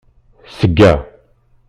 Seg-a.